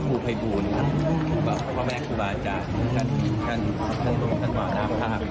มีเซ็นต์ใหม่จ่ายขึ้นหรอครับ